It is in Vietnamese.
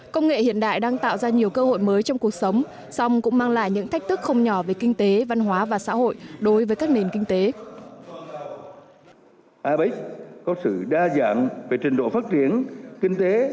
công nghệ hiện đại đang tạo ra nhiều cơ hội mới trong cuộc sống song cũng mang lại những thách thức không nhỏ về kinh tế văn hóa và xã hội đối với các nền kinh tế